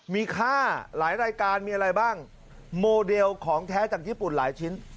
มีค่าหลายรายการมีอะไรบ้างโมเดลของแท้จากญี่ปุ่นหลายชิ้น